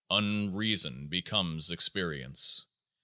Unreason becomes Experience.